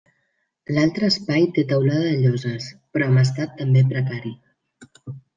L'altre espai té teulada de lloses, però amb estat també precari.